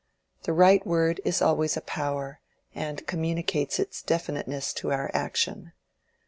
The right word is always a power, and communicates its definiteness to our action.